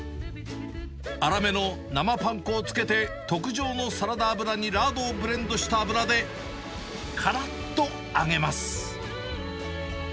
粗めの生パン粉をつけて、特上のサラダ油にラードをブレンドした油で、からっと揚げます。